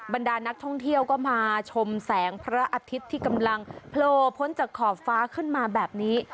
บรรดานักท่องเที่ยวก็มาชมแสงพระอาทิตย์ที่กำลังโผล่พ้นจากขอบฟ้าขึ้นมาแบบนี้